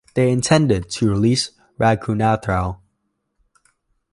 They intended to release Raghunathrao.